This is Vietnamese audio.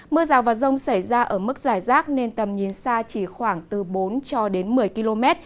mưa rào và rông xảy ra ở mức dài rác nên tầm nhìn xa chỉ khoảng từ bốn cho đến một mươi km